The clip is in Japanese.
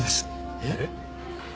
えっ？